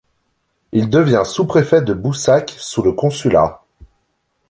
Il devient sous-préfet de Boussac sous le Consulat.